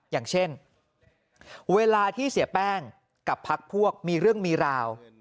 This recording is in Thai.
อย่างเช่นเวลาที่เสียแป้งกับพักพวกมีเรื่องมีราว